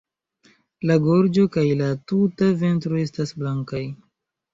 La gorĝo kaj la tuta ventro estas blankaj.